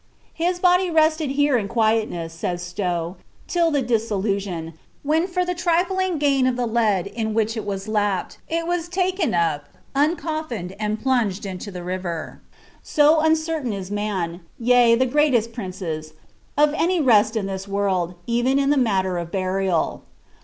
^ His body rested here in qoietness," myn Stowe, ^ till the dissolution, when, for the tri fling gain of the lead in which it was lapped, it was taken up, uncoffined, ind plunged into the river: — so uncertain is man, yea, the greatest princes, of any rest in this world, even in the matter of burial."